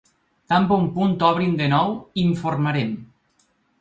Tan bon punt obrin de nou informarem.